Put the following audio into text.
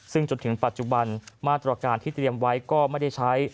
ซึ่งจนถึงปัจจุบันมาตรการที่เตรียมไว้ก็ไม่ได้ใช้